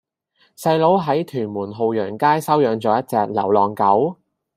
細佬喺屯門浩洋街收養左一隻流浪狗